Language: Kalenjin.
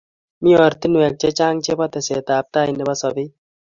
Mii oratinwek che chang chebo tesetaet ab kei nebo sobet